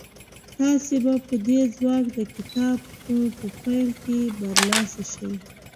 تاسې به پر دې ځواک د کتاب په پيل کې برلاسي شئ.